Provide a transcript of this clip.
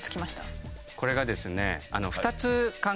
これがですね。